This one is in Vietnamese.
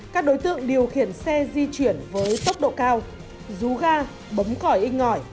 các đối tượng điều khiển xe di chuyển với tốc độ cao rú ga bóng khỏi inh ngỏi